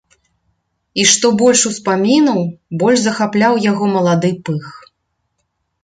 І што больш успамінаў, больш захапляў яго малады пых.